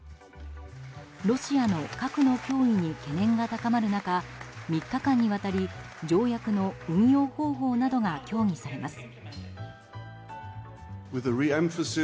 ロシアの核の脅威に懸念が高まる中３に間にわたり、条約の運用方法などが協議されます。